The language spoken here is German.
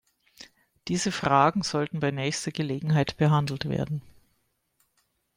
Diese Fragen sollten bei nächster Gelegenheit behandelt werden.